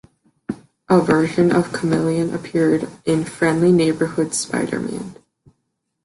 A version of Chameleon appeared in "Friendly Neighborhood Spider-Man".